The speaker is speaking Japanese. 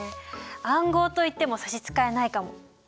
暗号といっても差し支えないかも。